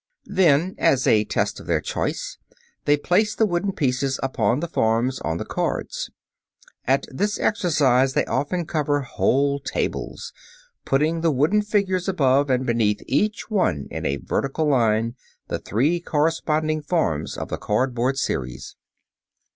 Then as a test of their choice, they place the wooden pieces upon the forms on the cards. At this exercise they often cover whole tables, putting the wooden figures above, and beneath each one in a vertical line, the three corresponding forms of the cardboard series.